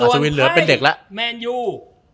ส่วนไพ่แมนยู